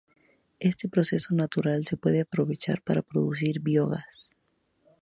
Este proceso natural se puede aprovechar para producir biogás.